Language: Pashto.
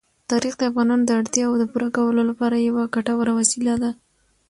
تاریخ د افغانانو د اړتیاوو د پوره کولو لپاره یوه ګټوره وسیله ده.